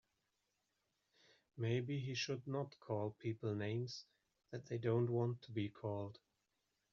Maybe he should not call people names that they don't want to be called.